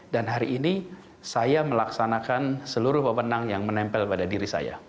dan hari ini saya melaksanakan seluruh wawenang yang menempel pada diri saya